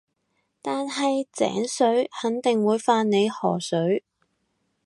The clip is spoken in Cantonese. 但係井水肯定會犯你河水